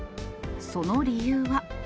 その理由は。